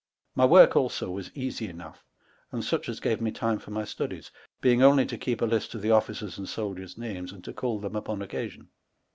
My worke alao was easie enough, and such as gave me time for my studios, being onely to keep a hst of the oflicers' and souldiers' names, and to call them upon occasion.